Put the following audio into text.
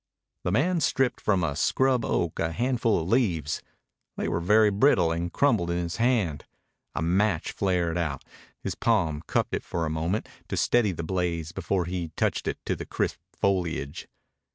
The man stripped from a scrub oak a handful of leaves. They were very brittle and crumbled in his hand. A match flared out. His palm cupped it for a moment to steady the blaze before he touched it to the crisp foliage.